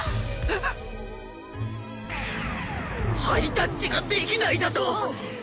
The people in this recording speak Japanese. ハイタッチができないだと！？